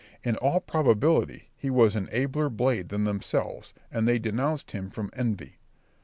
In all probability he was an abler blade than themselves, and they denounced him from envy.